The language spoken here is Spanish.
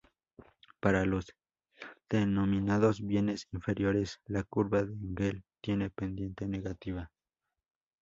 Para los denominados bienes inferiores, la curva de Engel tiene pendiente negativa.